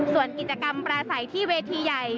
ส่วนกิจกรรมปลาใสที่เวทีใหญ่